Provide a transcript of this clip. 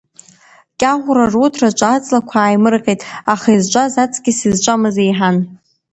Кьаӷәра руҭраҿы аҵлақәа ааимирҟьеит, аха изҿаз аҵкьыс изҿамыз еиҳан.